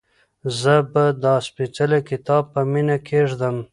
زه به دا سپېڅلی کتاب په مینه کېږدم.